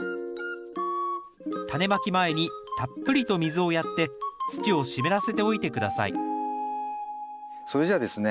タネまき前にたっぷりと水をやって土を湿らせておいて下さいそれじゃあですね